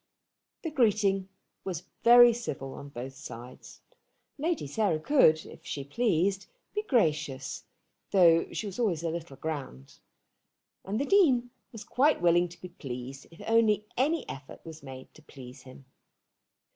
The greeting was very civil on both sides. Lady Sarah could, if she pleased, be gracious, though she was always a little grand; and the Dean was quite willing to be pleased, if only any effort was made to please him.